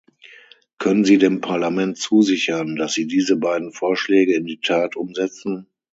Können Sie dem Parlament zusichern, dass Sie diese beiden Vorschläge in die Tat umsetzen?